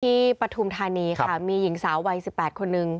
ปฐุมธานีค่ะมีหญิงสาววัย๑๘คนนึง